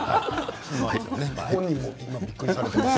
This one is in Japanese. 本人もびっくりされています。